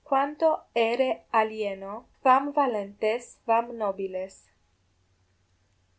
quanto aere alieno, quam valentes, quam nobiles! =3.